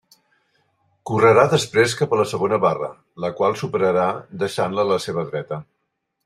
Correrà després cap a la segona barra, la qual superarà deixant-la a la seva dreta.